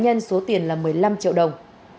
nhân số tiền là một mươi năm triệu đồng